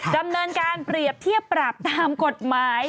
ดำเนินการเปรียบเทียบปรับตามกฎหมาย